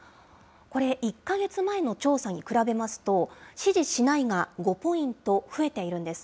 これ、１か月前の調査に比べますと、支持しないが５ポイント増えているんです。